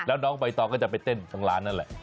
แล้วน้องใบตองก็จะไปเต้นทางร้านนั่นแหละ